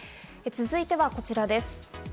続いてはこちらです。